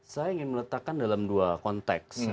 saya ingin meletakkan dalam dua konteks